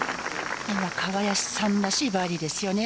若林さんらしいバーディーですよね。